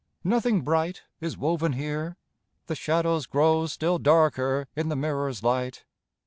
Nothing bright Is woven here: the shadows grow Still darker in the mirror's light!